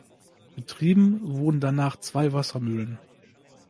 Betrieben wurden danach zwei Wassermühlen.